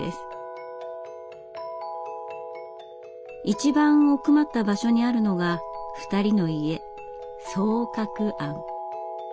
一番奥まった場所にあるのが２人の家双鶴庵。